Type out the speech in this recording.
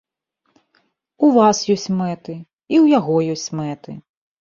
У вас ёсць мэты, і ў яго ёсць мэты.